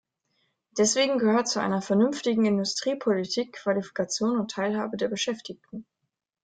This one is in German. Deswegen gehört zu einer vernünftigen Industriepolitik Qualifikation und Teilhabe der Beschäftigten.